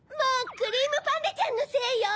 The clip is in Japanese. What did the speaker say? クリームパンダちゃんのせいよ！